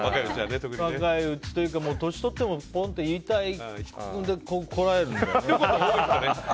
若いうちというか年とってもポンと言いたいけどこらえるんだよね。